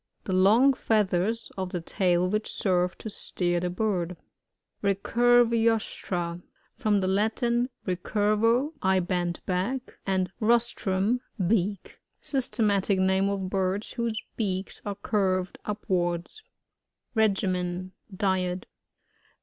The long feathers of the tail which serve to steer the bird. Recurvirostra. — From the Latin, recurvo, I bend back, and rostrum, beak. Systematic name of birds whose beaks are curved upwards. Regimen — Diet.